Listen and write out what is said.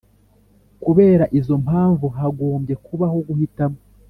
Kubera izo mpamvu hagombye kubaho guhitamo